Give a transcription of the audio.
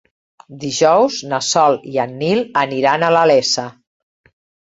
Dijous na Sol i en Nil aniran a la Iessa.